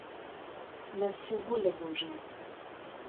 На все воля Божья.